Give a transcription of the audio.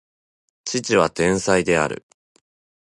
父は天才である